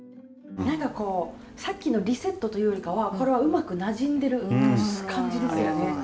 何かこうさっきのリセットというよりかはこれはうまくなじんでる感じですよね。